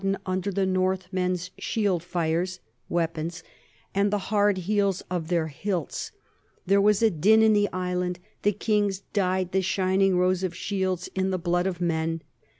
40 NORMANS IN EUROPEAN HISTORY den under the Northmen's shield fires [weapons] and the hard heels of their hilts. There was a din in the island, the kings dyed the shining rows of shields in the blood of men.